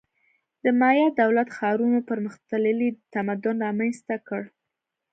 د مایا دولت-ښارونو پرمختللی تمدن رامنځته کړ.